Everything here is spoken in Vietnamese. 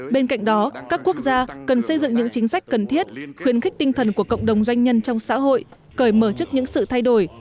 bên cạnh đó các quốc gia cần xây dựng những chính sách cần thiết khuyến khích tinh thần của cộng đồng doanh nhân trong xã hội cởi mở trước những sự thay đổi